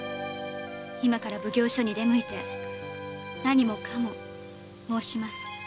今から奉行所に出向いて何もかも申します。